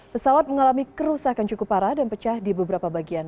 pesawat mengalami kerusakan cukup parah dan pecah di beberapa bagian